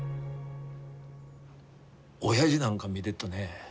おやじなんか見でっとね